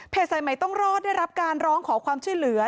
สายใหม่ต้องรอดได้รับการร้องขอความช่วยเหลือ